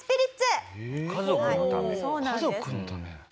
そうなんです。